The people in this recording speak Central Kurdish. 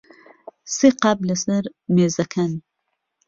سێ قاپ لەسەر مێزەکەن.